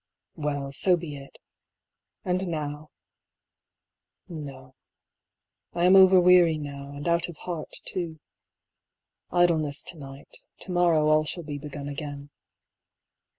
Well, so be it : 1 26 AN INVENTOR. and now — No, I am over weary now, and out of heart too : idleness to night ; to morrow all shall be begun again.